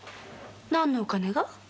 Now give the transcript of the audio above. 何のお金が？